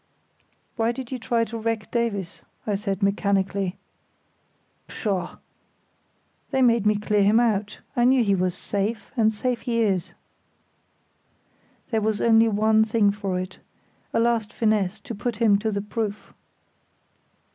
"Why did you try to wreck Davies?" said I, mechanically. "Pshaw! They made me clear him out. I knew he was safe, and safe he is." There was only one thing for it—a last finesse, to put him to the proof.